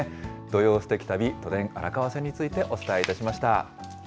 土曜すてき旅、都電荒川線についてお伝えいたしました。